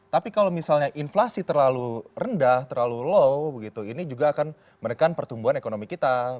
tapi kalau misalnya inflasi terlalu rendah terlalu low begitu ini juga akan menekan pertumbuhan ekonomi kita